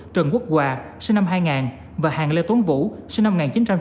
trần quốc hòa sinh năm hai nghìn và hàng lê tuấn vũ sinh năm một nghìn chín trăm tám mươi